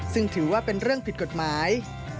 ซึ่งถือว่าเป็นเรื่องผิดกฎหมาย